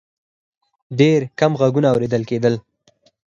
ډېر کم غږونه اورېدل کېدل.